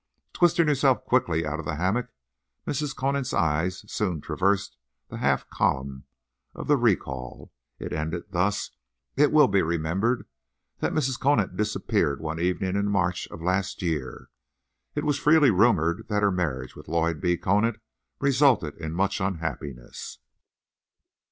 Twisting herself quickly out of the hammock, Mrs. Conant's eye soon traversed the half column of the "Recall." It ended thus: "It will be remembered that Mrs. Conant disappeared one evening in March of last year. It was freely rumoured that her marriage with Lloyd B. Conant resulted in much unhappiness.